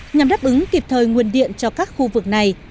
nhằm đáp ứng kịp thời nguồn điện cho các khu vực này